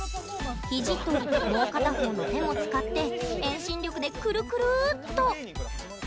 肘と、もう片方の手も使って遠心力でくるくるっと。